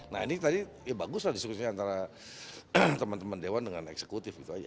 nah ini tadi ya bagus lah diskusinya antara teman teman dewan dengan eksekutif gitu aja